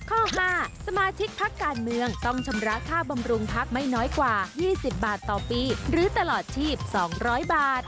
ข้อ๕สมาชิกพักการเมืองต้องชำระค่าบำรุงพักไม่น้อยกว่า๒๐บาทต่อปีหรือตลอดชีพ๒๐๐บาท